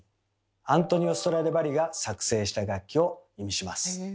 アントニオ・ストラディヴァリが作製した楽器を意味します。